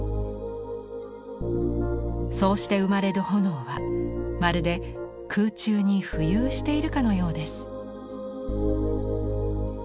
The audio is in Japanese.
そうして生まれる炎はまるで空中に浮遊しているかのようです。